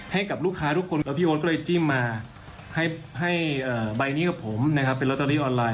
ให้กับลูกค้าทุกคนกับพี่โอ๊ตก็เลยจิ้มมาให้ใบนี้กับผมนะครับเป็นลอตเตอรี่ออนไลน